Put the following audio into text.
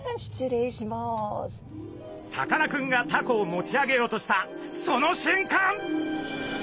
さかなクンがタコを持ち上げようとしたそのしゅんかん！